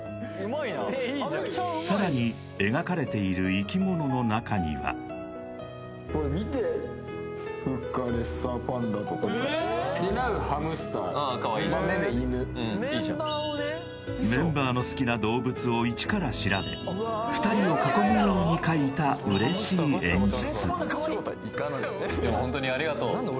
さらに描かれている生き物の中にはこれ見てああかわいいじゃんいいじゃんメンバーの好きな動物をいちから調べ２人を囲むように描いた嬉しい演出